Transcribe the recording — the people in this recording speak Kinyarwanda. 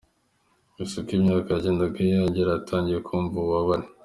Gusa uko imyaka yagendaga yiyongera yatangiye kumva ububabare.